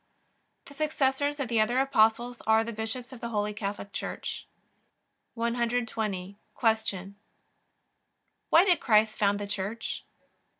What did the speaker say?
The successors of the other Apostles are the bishops of the Holy Catholic Church. 120. Q. Why did Christ found the Church?